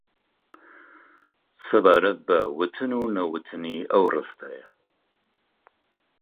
سەبارەت بە وتن و نەوتنی ئەو ڕستەیە